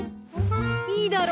いいだろ！